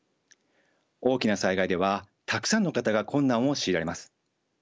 大きな災害ではたくさんの方が困難を強いられます。